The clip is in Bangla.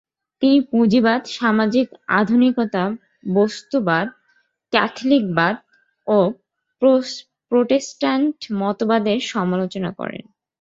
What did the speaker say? তিনি পুঁজিবাদ, সামাজিক আধুনিকতা, বস্তুবাদ, ক্যাথলিকবাদ ও প্রোটেস্ট্যান্ট মতবাদের সমালোচনা করেন।